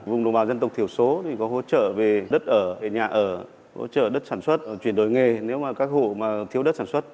vùng đồng bào dân tộc thiểu số thì có hỗ trợ về đất ở nhà ở hỗ trợ đất sản xuất chuyển đổi nghề nếu mà các hộ mà thiếu đất sản xuất